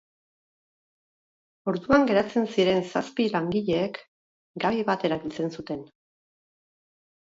Orduan geratzen ziren zazpi langileek gabi bat erabiltzen zuten.